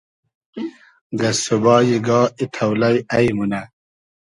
گئسسوبای گا ای تۆلݷ اݷ مونۂ